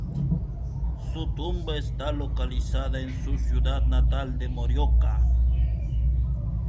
Su tumba está localizada en su ciudad natal de Morioka.